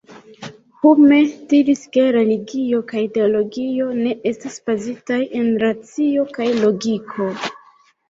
Hume diris ke religio kaj teologio ne estas bazitaj en racio kaj logiko.